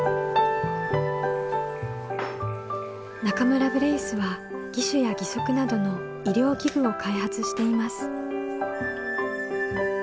中村ブレイスは義手や義足などの医療器具を開発しています。